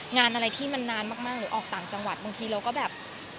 งานอะไรที่มันนานมากหรือออกต่างจังหวัดบางทีเราก็แบบ